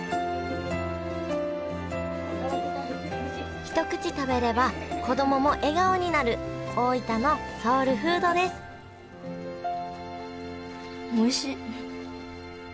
一口食べれば子供も笑顔になる大分のソウルフードですおいしっ！